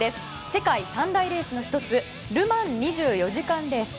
世界三大レースの１つル・マン２４時間レース。